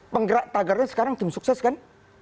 penggerak tagarnya sekarang tim sukses kan